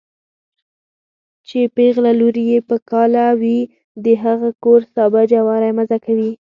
چې پېغله لور يې په کاله وي د هغه کور سابه جواری مزه کوينه